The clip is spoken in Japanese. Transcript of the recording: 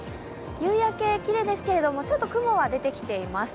夕焼け、きれいですけれども、ちょっと雲が出てきています。